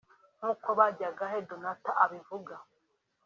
nk’uko Bajyagahe Donatha abivuga